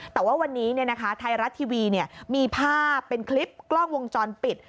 แต่ว่าวันนี้ไทยรัฐทีวีมีภาพเป็นคลิปกล้องวงจรปิด